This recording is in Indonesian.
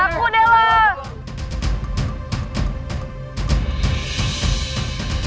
aku mau ke sana